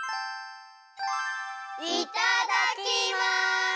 いただきます！